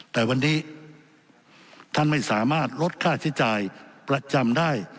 แต่วันนี้ท่านไม่สามารถลดค่าใช้จ่ายประจำได้